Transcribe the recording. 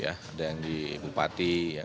ada yang di bupati